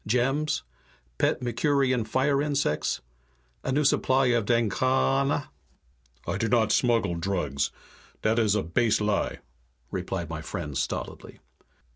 Gems? Pet Mercurian fire insects? A new supply of danghaana?" "I do not smuggle drugs, dat is a base lie," replied my friend stolidly.